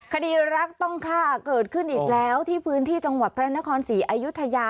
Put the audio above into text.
คดีรักต้องฆ่าเกิดขึ้นอีกแล้วที่พื้นที่จังหวัดพระนครศรีอายุทยา